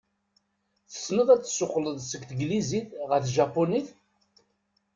Tessneḍ ad d-tessuqled seg teglizit ɣer tjapunit?